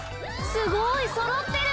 すごいそろってる。